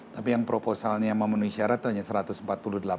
tapi yang proposalnya memenuhi syarat hanya satu ratus empat puluh delapan